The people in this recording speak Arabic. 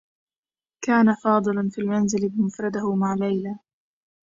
كان فاضل في المنزل بمفرده مع ليلى.